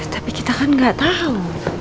tapi kita kan nggak tahu